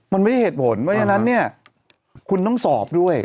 มันไม่ใช่เหตุผลฉะนั้นคุณต้องสอบด้วย